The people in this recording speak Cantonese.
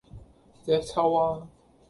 隻揪吖!